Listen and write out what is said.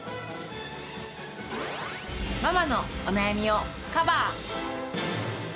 ママのお悩みをカバー。